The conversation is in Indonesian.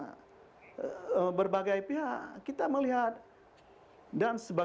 paham kita melihat dan selalu berkomunikasi dengan pendidikan terhadap antara pemerintahan indonesia dan